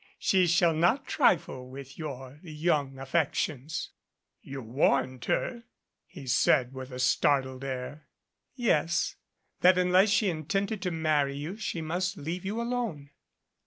She shall not trifle with your young affec tions " "You warned her?" he said, with a startled air. "Yes, that unless she intended to marry you she must leave you alone."